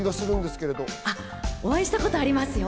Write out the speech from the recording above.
お会いしたことありますよ。